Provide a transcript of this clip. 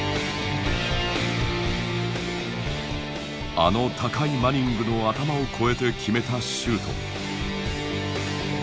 あの高いマニングの頭を越えて決めたシュート。